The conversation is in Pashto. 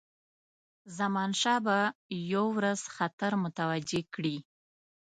زمانشاه به یو ورځ خطر متوجه کړي.